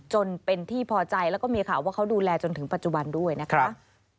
จนเป็นที่พอใจแล้วก็มีข่าวว่าเขาดูแลจนถึงปัจจุบันด้วยนะคะ